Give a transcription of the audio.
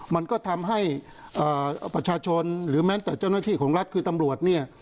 มันก็ทำให้ประชาชนหรือแม้แต่เจ้าหน้าที่ของรัฐคือตำรวจเนี่ย